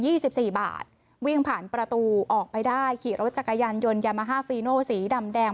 สิบสี่บาทวิ่งผ่านประตูออกไปได้ขี่รถจักรยานยนต์ยามาฮาฟีโนสีดำแดง